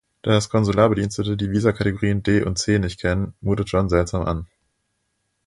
Dass Konsularbedienstete die Visakategorien "D" und "C" nicht kennen, mutet schon seltsam an.